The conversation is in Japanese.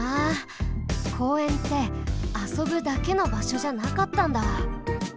公園ってあそぶだけのばしょじゃなかったんだ。